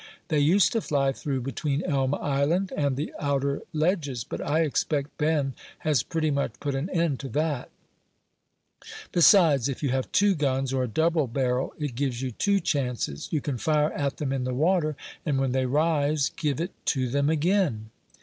They used to fly through between Elm Island and the outer ledges, but I expect Ben has pretty much put an end to that; besides, if you have two guns, or a double barrel, it gives you two chances you can fire at them in the water, and when they rise give it to them again."